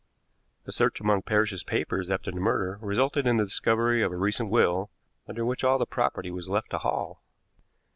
A search among Parrish's papers after the murder resulted in the discovery of a recent will, under which all the property was left to Hall.